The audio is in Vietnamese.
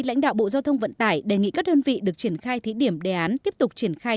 lãnh đạo bộ giao thông vận tải đề nghị các đơn vị được triển khai thí điểm đề án tiếp tục triển khai